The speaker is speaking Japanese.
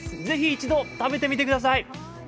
ぜひ一度食べてみてください。